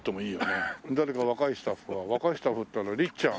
誰か若いスタッフは若いスタッフっていったらりっちゃん。